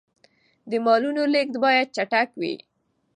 د مالونو لېږد باید چټک وي.